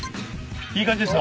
いい感じですか？